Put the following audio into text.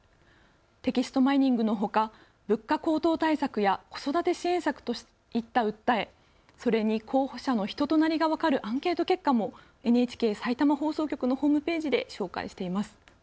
テキストマイニングのほか物価高騰対策や子育て支援策といった訴え、それに候補者の人となりが分かるアンケート結果もＮＨＫさいたま放送局のホームページで紹介しています。